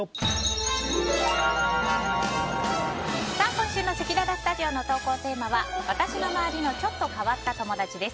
今週のせきららスタジオの投稿テーマは私の周りのちょっと変わった友達です。